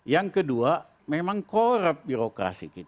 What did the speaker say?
yang kedua memang korup birokrasi kita